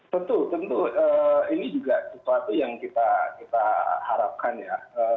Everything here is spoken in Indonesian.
tentu tentu ini juga sesuatu yang kita harapkan ya